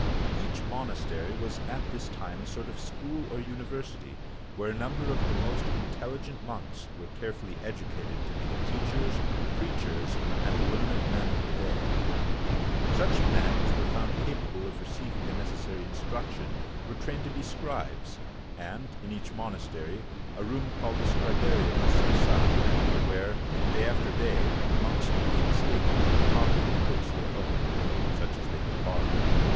Each monastery was at this time a sort of school or university, where a number of the most intelligent monks were carefully educated to be the teachers, preachers, and learned men of the day. Such men as were found capable of receiving the necessary in struction were trained to be scribes, and in each monastery a room called scriba'rium was set aside, where, day after day, monks painstakingly copied the books they owned, uigiTizea oy ^wiiv_/V /x i ^ io6 OLD FRANCE or such as they could borrow.